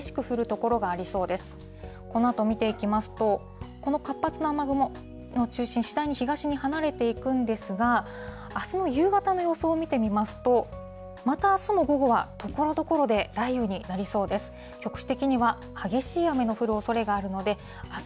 このあと見ていきますと、この活発な雨雲の中心、次第に北へ離れていくんですが、あすの夕方の予想を見てみますと、またあすも午後はところどころで雷雨になりそうです。